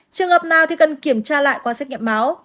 trường hợp nào thì cần kiểm tra lại qua xét nghiệm máu